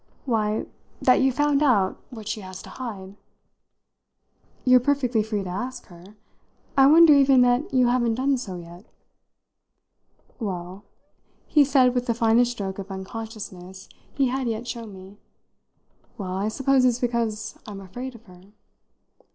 "Why, that you've found out what she has to hide." "You're perfectly free to ask her. I wonder even that you haven't done so yet." "Well," he said with the finest stroke of unconsciousness he had yet shown me "well, I suppose it's because I'm afraid of her."